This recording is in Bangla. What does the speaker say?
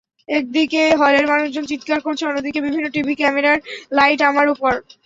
একদিকে হলের মানুষজন চিৎকার করছে, অন্যদিকে বিভিন্ন টিভি ক্যামেরার লাইট আমার ওপর।